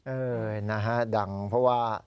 เออนะฮะดังเพราะว่า